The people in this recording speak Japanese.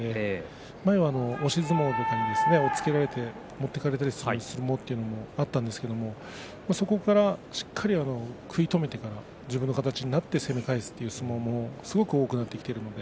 前は押し相撲に落ち押っつけられて持っていかれる相撲もあったんですがそこから、しっかり食い止めてから自分の形になって攻め返すというそういう相撲がすごく多くなってきています。